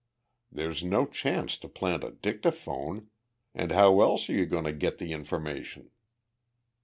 There's no chance to plant a dictaphone, and how else are you going to get the information?"